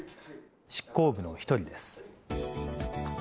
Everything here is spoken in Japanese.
執行部の一人です。